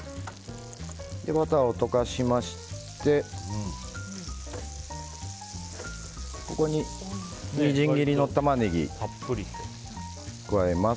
バターを溶かしましてここにみじん切りのタマネギを加えます。